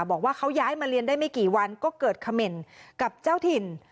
บอกว่าเขาย้ายมาเรียนได้ไม่กี่วันก็เกิดเขม่นกับเจ้าถิ่น